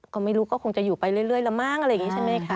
ก็ไม่รู้ก็คงจะอยู่ไปเรื่อยละมั้งอะไรอย่างนี้ใช่ไหมคะ